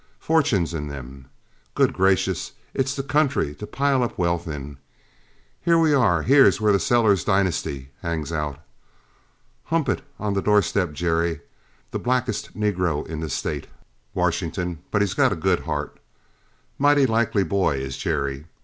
Fortunes in them! Good gracious, it's the country to pile up wealth in! Here we are here's where the Sellers dynasty hangs out. Hump it on the door step, Jerry the blackest niggro in the State, Washington, but got a good heart mighty likely boy, is Jerry.